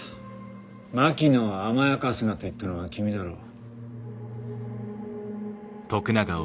「槙野を甘やかすな」と言ったのは君だろう？